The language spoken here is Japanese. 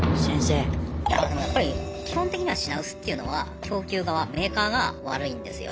いやでもやっぱり基本的には品薄っていうのは供給側メーカーが悪いんですよ。